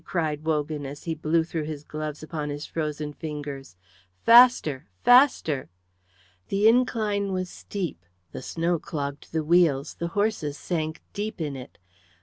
cried Wogan, as he blew through his gloves upon his frozen fingers. "Faster! Faster!" The incline was steep, the snow clogged the wheels, the horses sank deep in it.